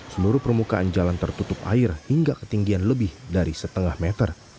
seluruh permukaan jalan tertutup air hingga ketinggian lebih dari setengah meter